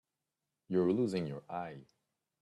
You're losing your eye.